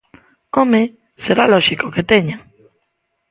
¡Home!, será lóxico que teñan.